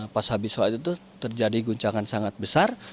pas habis sholat itu terjadi guncangan sangat besar